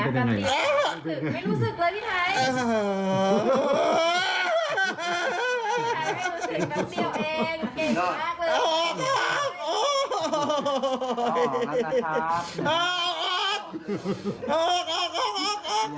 ขอบคุณพี่ไทยที่ขอบคุณพี่ไทย